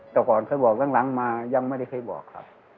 แต่ก่อนเคยบอกหลังมายังไม่ได้เคยบอกครับ